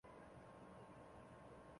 在九十九学年度下学期启用。